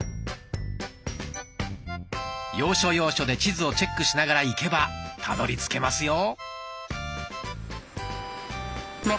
要所要所で地図をチェックしながら行けばたどりつけますよ。